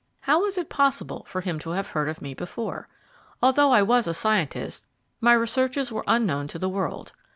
How was it possible for him to have heard of me before? Although I was a scientist, my researches were unknown to the world.